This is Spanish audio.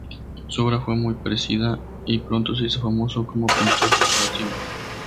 Su obra fue muy apreciada y pronto se hizo famoso como pintor decorativo.